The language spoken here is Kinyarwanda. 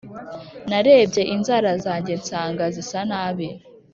Narebye inzara zanjye nsanga zisa nabi